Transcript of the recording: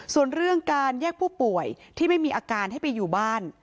ส่วนเรื่องการแยกผู้ป่วยที่ไม่มีอาการให้ไปอยู่บ้าน